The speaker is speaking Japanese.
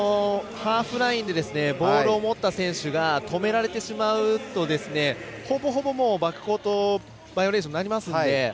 ハーフラインでボールを持った選手が止められてしまうとほぼほぼバックコートバイオレーションになりますので。